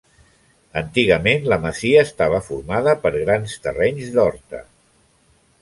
Antigament, la masia estava formada per grans terrenys d'horta.